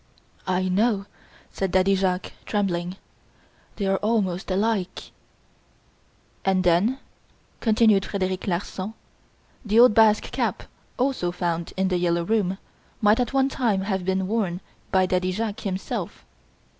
"I know," said Daddy Jacques, trembling, "they are almost alike." "And then," continued Frederic Larsan, "the old Basque cap also found in "The Yellow Room" might at one time have been worn by Daddy Jacques himself.